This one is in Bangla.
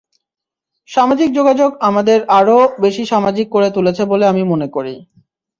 সামাজিক যোগাযোগ আমাদের আরও বেশি সামাজিক করে তুলেছে বলে আমি মনে করি।